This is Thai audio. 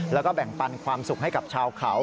แล้วก็แบ่งปันความสุขให้กับชาวเขา